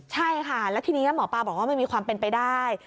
ใช่ค่ะแล้วทีนี้หมอปลาบอกว่ามันมีความเป็นไปได้